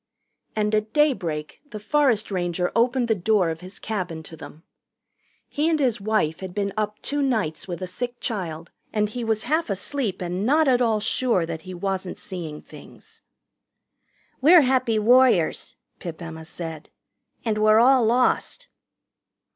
And at daybreak the forest ranger opened the door of his cabin to them. He and his wife had been up two nights with a sick child, and he was half asleep and not at all sure that he wasn't seeing things. "We're Happy Warriors," Pip Emma said, "and we're all lost."